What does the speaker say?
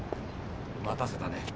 待たせたね。